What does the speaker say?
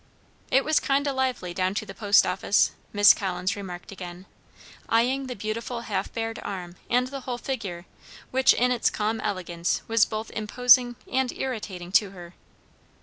"It was kind o' lively down to the post office," Miss Collins remarked again, eyeing the beautiful half bared arm and the whole figure, which in its calm elegance was both imposing and irritating to her.